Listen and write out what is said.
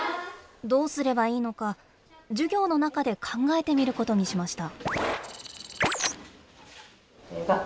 どうすればいいのか授業の中で考えてみることにしました。